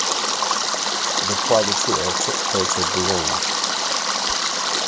The privateer took her into Boulogne.